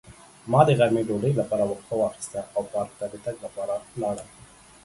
ما د غرمې ډوډۍ لپاره وقفه واخیسته او پارک ته د تګ لپاره لاړم.